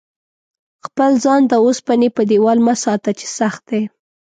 خپل ځان د اوسپنې په دېوال مه ساته چې سخت دی.